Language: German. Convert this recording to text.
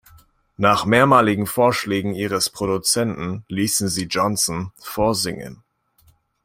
Nach mehrmaligen Vorschlägen ihres Produzenten ließen sie Johnson vorsingen.